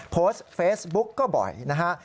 โพสต์เฟซบุ๊กก็บ่อยนะฮะ